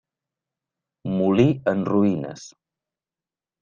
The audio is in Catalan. Molí en ruïnes.